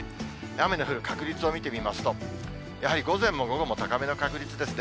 雨の降る確率を見てみますと、やはり午前も午後も高めの確率ですね。